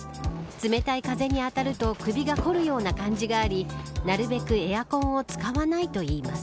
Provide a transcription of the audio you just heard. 冷たい風に当たると首がこるような感じがありなるべくエアコンを使わないといいます。